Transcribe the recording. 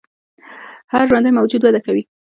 هر ژوندی موجود وده کوي